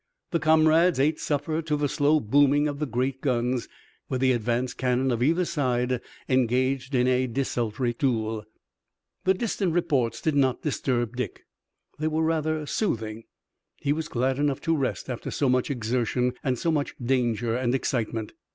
The comrades ate supper to the slow booming of great guns, where the advanced cannon of either side engaged in desultory duel. The distant reports did not disturb Dick. They were rather soothing. He was glad enough to rest after so much exertion and so much danger and excitement.